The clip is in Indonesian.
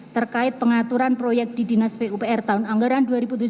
terkait pengaturan proyek di dinas pupr tahun anggaran dua ribu tujuh belas